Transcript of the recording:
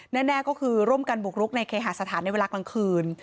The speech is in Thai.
แน่ก็คือร่วมกันบุกรุกในเคหาสถานในเวลากลางคืน